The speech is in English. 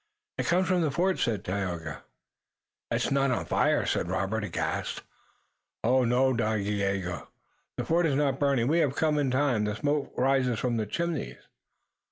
"It comes from the fort," said Tayoga. "It's not on fire?" said Robert, aghast. "No, Dagaeoga, the fort is not burning. We have come in time. The smoke rises from the chimneys."